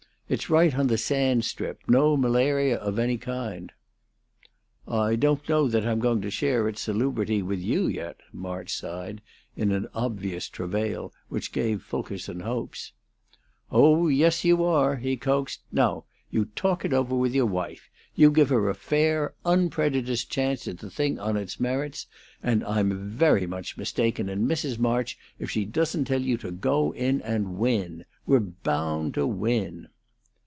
It's right on the Sand Strip no malaria of any kind." "I don't know that I'm going to share its salubrity with you yet," March sighed, in an obvious travail which gave Fulkerson hopes. "Oh yes, you are," he coaxed. "Now, you talk it over with your wife. You give her a fair, unprejudiced chance at the thing on its merits, and I'm very much mistaken in Mrs. March if she doesn't tell you to go in and win. We're bound to win!"